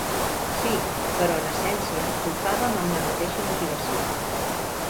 Sí, però en essència tocàvem amb la mateixa motivació.